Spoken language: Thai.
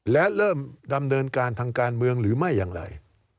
และเริ่มดำเนินการทางการเมืองหรือไม่อย่างไร